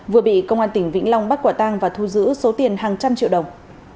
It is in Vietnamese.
vừa bị công an tỉnh vĩnh long bắt quả tang và thu giữ số tiền hàng trăm triệu đồng